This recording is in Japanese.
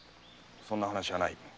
そんな話はない。